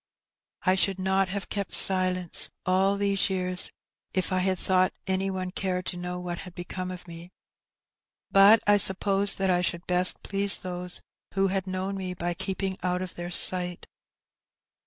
"I should not have kept silence all these years if I had thought any one cared to know what had become of me, but I supposed that I should best please those who had known me by keeping out of their sight."